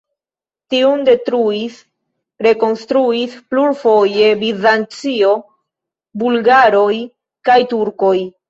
Tiun detruis, rekonstruis plurfoje Bizancio, bulgaroj kaj turkoj.